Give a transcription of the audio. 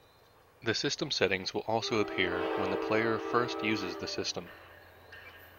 The system settings will also appear when the player first uses the system.